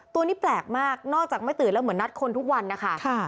ตัวนี้แปลกมากนอกจากไม่ตื่นแล้วเหมือนนัดคนทุกวันนะคะ